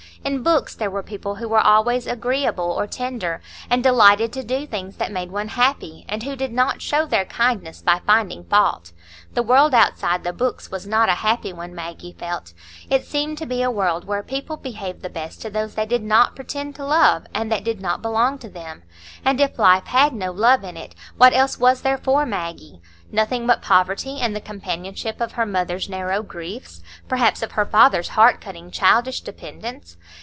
In books there were people who were always agreeable or tender, and delighted to do things that made one happy, and who did not show their kindness by finding fault. The world outside the books was not a happy one, Maggie felt; it seemed to be a world where people behaved the best to those they did not pretend to love, and that did not belong to them. And if life had no love in it, what else was there for Maggie? Nothing but poverty and the companionship of her mother's narrow griefs, perhaps of her father's heart cutting childish dependence.